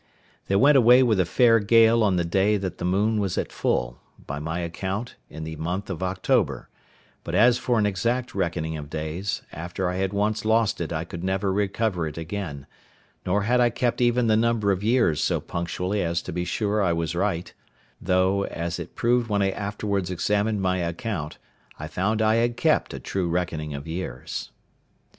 They went away with a fair gale on the day that the moon was at full, by my account in the month of October; but as for an exact reckoning of days, after I had once lost it I could never recover it again; nor had I kept even the number of years so punctually as to be sure I was right; though, as it proved when I afterwards examined my account, I found I had kept a true reckoning of years.